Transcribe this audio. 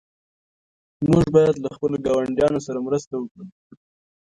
موږ باید له خپلو ګاونډیانو سره مرسته وکړو.